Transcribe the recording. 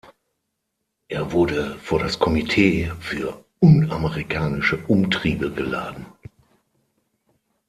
Er wurde vor das Komitee für unamerikanische Umtriebe geladen.